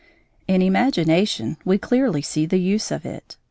In imagination we clearly see the use of it.